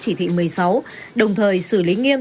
chỉ thị một mươi sáu đồng thời xử lý nghiêm